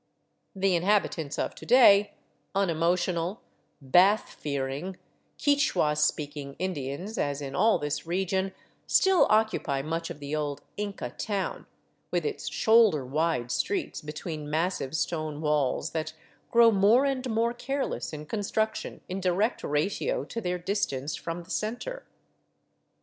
The inhabitants of to day, unemotional, bath fearing, Quichua speaking Indians, as in all this region, still occupy much of the old " Inca *' town, with its shoulder wide streets between massive stone walls that grow more and more careless in construction in direct ratio to their distance from the center.